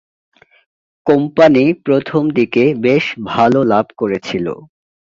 Company প্রথমদিকে বেশ ভালো লাভ করেছিল।